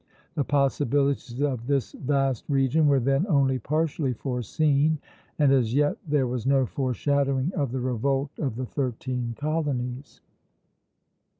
The possibilities of this vast region were then only partially foreseen, and as yet there was no foreshadowing of the revolt of the thirteen colonies.